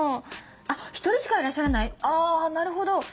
あっ１人しかいらっしゃらないあなるほど。